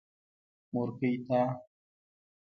مورکۍ تا.